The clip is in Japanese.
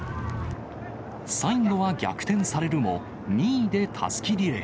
最後は逆転されるも、２位でたすきリレー。